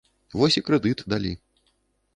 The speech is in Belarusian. Вось і крэдыт далі.